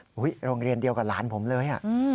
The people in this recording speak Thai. โรงเรียนเดียวกับหลานผมเลย